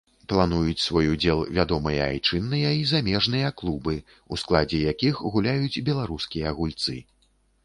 Плануюць свой удзел вядомыя айчынныя і замежныя клубы, у складзе якіх гуляюць беларускія гульцы.